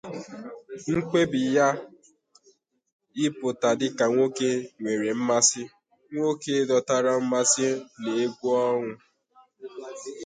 Mkpebi ya ịpụta dị ka nwoke nwere mmasị nwoke dọtara mmasị na egwu ọnwụ.